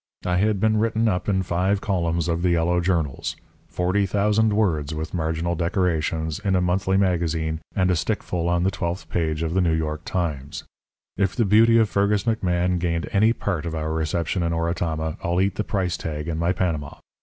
I had been written up in five columns of the yellow journals, 40,000 words (with marginal decorations) in a monthly magazine, and a stickful on the twelfth page of the New York Times. If the beauty of Fergus McMahan gained any part of our reception in Oratama, I'll eat the price tag in my Panama.